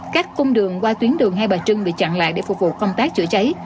các cung đường qua tuyến đường hai bà trưng bị chặn lại để phục vụ công tác chữa cháy